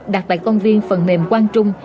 đặt tại công viên phần mềm quang trung